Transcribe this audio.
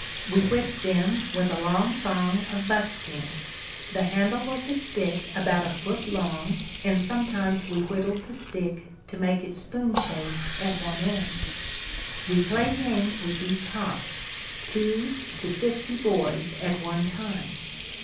We whipped them with a long thong of buckskin. The handle was a stick about a foot long and sometimes we whittled the stick to make it spoon shaped at one end. We played games with these tops two to fifty boys at one time.